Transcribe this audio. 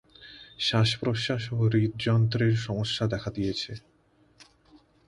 শ্বাস-প্রশ্বাস ও হৃদযন্ত্রের সমস্যা দেখা দিয়েছে।